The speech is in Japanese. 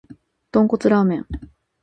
豚骨ラーメン